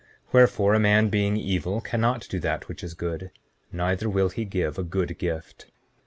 7:10 Wherefore, a man being evil cannot do that which is good; neither will he give a good gift.